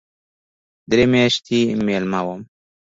درې میاشتې مېلمه وم.